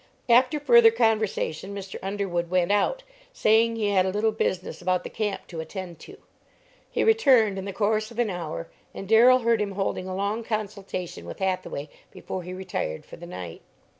After further conversation Mr. Underwood went out, saying he had a little business about the camp to attend to. He returned in the course of an hour, and Darrell heard him holding a long consultation with Hathaway before he retired for the night.